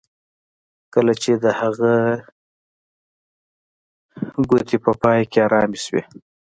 کله چې د هغه ګوتې په پای کې ارامې شوې